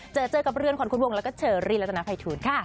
เจอกับเรื่องของคุณวงค์แล้วก็เจอรินและตนาภัยทูลค่ะ